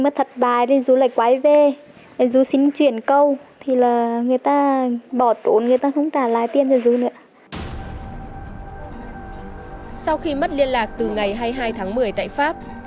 tất cả các đối tượng môi giới trái phép